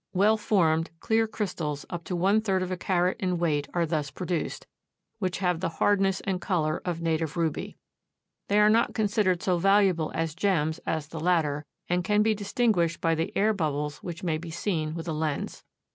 Well formed, clear crystals up to one third of a carat in weight are thus produced, which have the hardness and color of native ruby. They are not considered so valuable as gems as the latter, and can be distinguished by the air bubbles which may be seen with a lens.